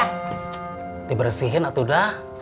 ck dibersihin atuda